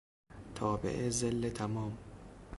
تابع ظل تمام